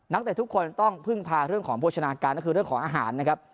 เตะทุกคนต้องพึ่งพาเรื่องของโภชนาการก็คือเรื่องของอาหารนะครับ